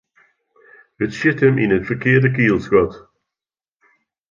It sjit him yn it ferkearde kielsgat.